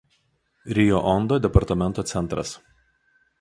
Rio Ondo departamento centras.